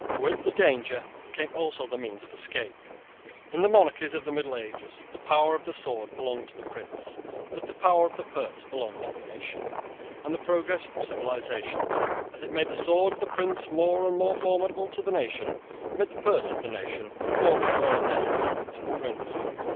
With the danger came also the means of escape. In the monarchies of the middle ages the power of the sword belonged to the prince; but the power of the purse belonged to the nation; and the progress of civilisation, as it made the sword of the prince more and more formidable to the nation, made the purse of the nation more and more necessary to the prince.